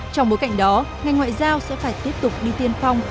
trong bối cảnh đó ngành ngoại giao sẽ phải tiếp tục đi tiên phong